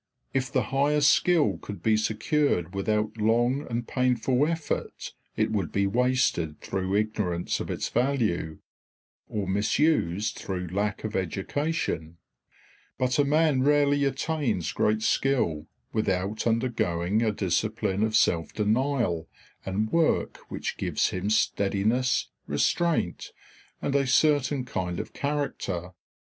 If the highest skill could be secured without long and painful effort it would be wasted through ignorance of its value, or misused through lack of education; but a man rarely attains great skill without undergoing a discipline of self denial and work which gives him steadiness, restraint, and a certain kind of character.